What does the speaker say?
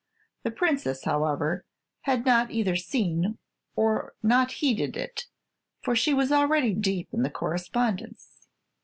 The Princess, however, had either not seen or not heeded it, for she was already deep in the correspondence.